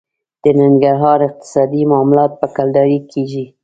د ننګرهار اقتصادي معاملات په کلدارې کېږي.